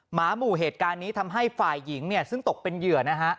หมาหมู่เหตุการณ์นี้ทำให้ฝ่ายหญิงเนี่ยซึ่งตกเป็นเหยื่อนะฮะ